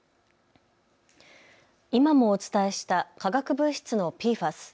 今もお伝えした化学物質のＰＦＡＳ。